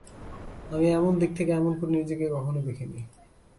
আমি এমন দিক থেকে এমন করে নিজেকে কখনো দেখি নি।